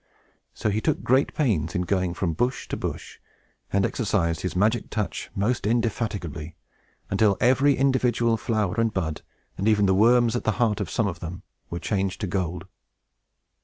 So he took great pains in going from bush to bush, and exercised his magic touch most indefatigably; until every individual flower and bud, and even the worms at the heart of some of them, were changed to gold.